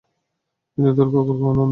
কিন্তু তোর কুকুর এখনো অন্ধ।